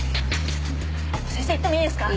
先生行ってもいいですか？